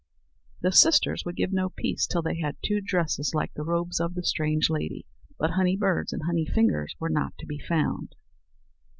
The sisters would give no peace till they had two dresses like the robes of the strange lady; but honey birds and honey fingers were not to be found.